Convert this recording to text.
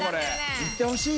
いってほしいよ。